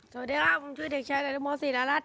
สวัสดีครับผมชื่อเด็กชัยดุงสินารัฐ